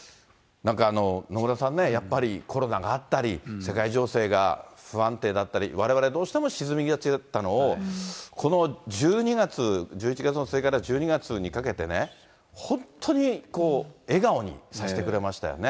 なんか、野村さんね、やっぱりコロナがあったり、世界情勢が不安定だったり、われわれどうしても沈みがちだったのを、この１２月、１１月の末から１２月にかけてね、本当に笑顔にさせてくれましたよ